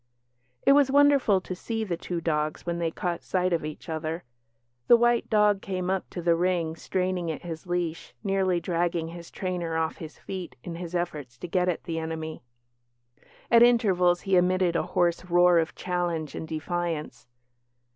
It was wonderful to see the two dogs when they caught sight of each other. The white dog came up to the ring straining at his leash, nearly dragging his trainer off his feet in his efforts to get at the enemy. At intervals he emitted a hoarse roar of challenge and defiance.